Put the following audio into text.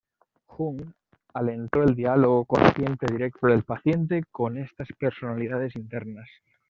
Jung alentó el diálogo consciente directo del paciente con estas personalidades internas.